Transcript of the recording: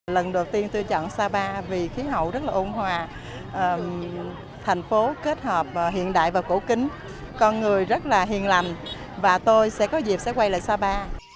lần đầu tiên tôi chọn sapa vì khí hậu rất là ôn hòa thành phố kết hợp hiện đại và cổ kính con người rất là hiền lành và tôi sẽ có dịp sẽ quay lại sapa